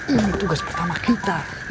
ini tugas pertama kita